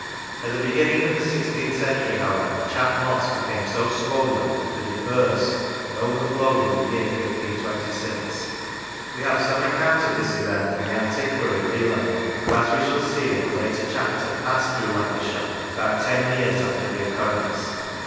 At the beginning of the sixteenth century, how ever, Chat Moss became so swollen, that it burst, and overflowed in 'the year 1526. We have some account of this event from the antiquary Leland, who, as we shall see in a later chapter, passed through Lan cashire about ten years after the occurrence.